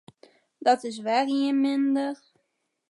Dat is wer ien minder.